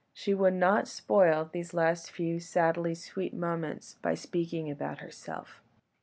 She would not spoil these last few sadly sweet moments by speaking about herself.